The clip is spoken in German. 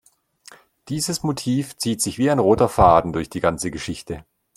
Dieses Motiv zieht sich wie ein roter Faden durch die ganze Geschichte.